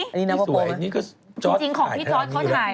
จริงของพี่จอธเขาถ่าย